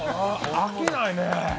飽きないね。